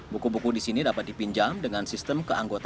buku buku di sini dapat dipinjam dengan sistem keanggotaan